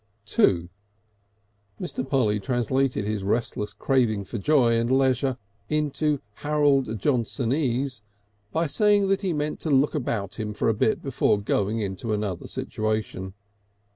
II Mr. Polly translated his restless craving for joy and leisure into Harold Johnsonese by saying that he meant to look about him for a bit before going into another situation.